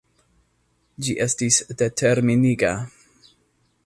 Ĝi estis determiniga.